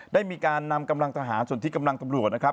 ได้มีการนำกำลังทหารส่วนที่กำลังตำรวจนะครับ